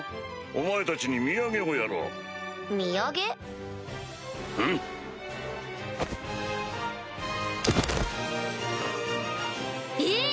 お前たちに土産をやろう。土産？ん！え！